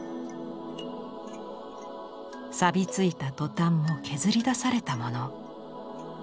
さび付いたトタンも削り出されたもの。